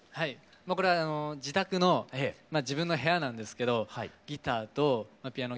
これは自宅の自分の部屋なんですけどギターとピアノ。